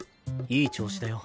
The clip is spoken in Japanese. いい調子だよ。